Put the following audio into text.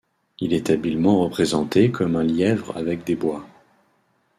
Il est habituellement représenté comme un lièvre avec des bois.